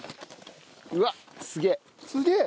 うわっすげえ！